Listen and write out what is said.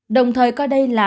đồng thời có đây là